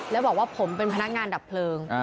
แล้วบอกว่าผมเป็นพนักงานดับเพลิง